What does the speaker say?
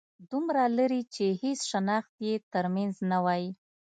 دومره لرې چې هيڅ شناخت يې تر منځ نه وای